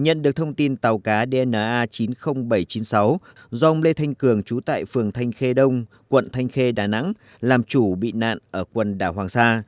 nhân được thông tin tàu cá dna chín mươi nghìn bảy trăm chín mươi sáu do ông lê thanh cường trú tại phường thanh khê đông quận thanh khê đà nẵng làm chủ bị nạn ở quần đảo hoàng sa